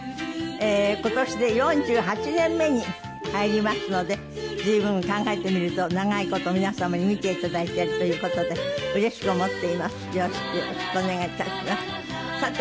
今年で４８年目に入りますので随分考えてみると長いこと皆様に見て頂いているという事でうれしく思っています。